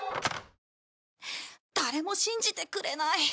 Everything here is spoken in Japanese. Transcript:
誰も信じてくれない。